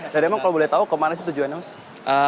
dan emang kalau boleh tahu kemana sih tujuannya mas